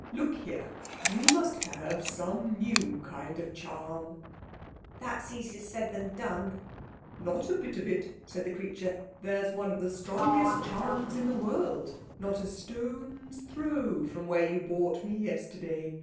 Look here; you must have some new kind of charm." "That's easier said than done." "Not a bit of it," said the creature; "there's one of the strongest charms in the world not a stone's throw from where you bought me yesterday.